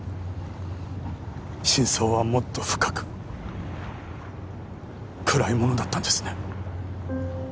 真相はもっと深く暗いものだったんですね